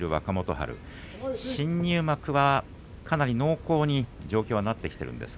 春新入幕はかなり濃厚な状況になってきています。